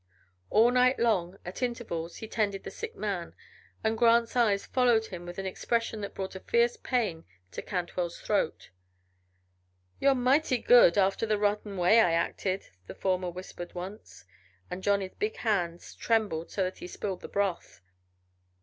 All night long, at intervals, he tended the sick man, and Grant's eyes followed him with an expression that brought a fierce pain to Cantwell's throat. "You're mighty good after the rotten way I acted," the former whispered once. And Johnny's big hand trembled so that he spilled the broth.